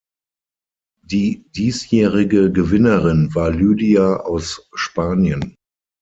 Die diesjährige Gewinnerin war Lydia aus Spanien.